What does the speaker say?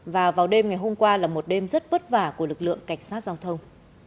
và vào đêm ngày hôm qua là một đêm rất vất vả của lực lượng cảnh sát giao thông